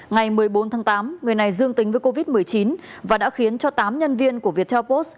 ngày một mươi bốn tháng tám người này dương tính với covid một mươi chín và đã khiến cho tám nhân viên của viettel post